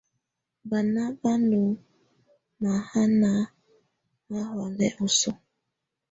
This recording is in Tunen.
Banà bà ndù mahana ma huɛ̀lɛ oso.